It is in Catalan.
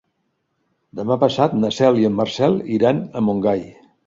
Demà passat na Cel i en Marcel iran a Montgai.